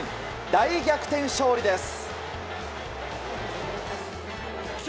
大逆転勝利です。